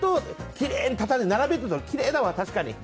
きれいに畳んで並べるときれいだわ、確かに。